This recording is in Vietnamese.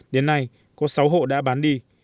đến nay có sáu hộ đã bán đi